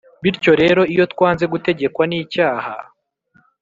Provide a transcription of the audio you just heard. Bityo rero, iyo twanze gutegekwa n’icyaha